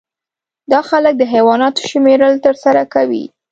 دا خلک د حیواناتو شمیرل ترسره کوي